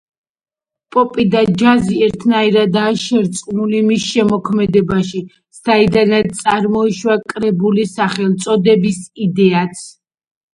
პოპი და ჯაზი ერთიანადაა შერწყმული მის შემოქმედებაში, საიდანაც წარმოიშვა კრებულის სახელწოდების იდეაც.